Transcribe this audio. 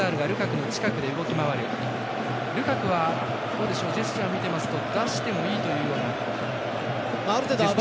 ルカクはジェスチャー見ていますと出してもいいというような感じでしょうか。